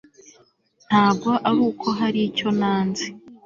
ntabwo ari uko hari icyo nanze